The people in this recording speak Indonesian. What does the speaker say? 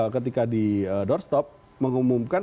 ketika di doorstop mengumumkan